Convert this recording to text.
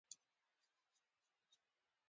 دا پېړۍ وخت نیسي تر څو بدلون محسوس شي.